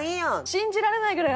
信じられないぐらい熱い。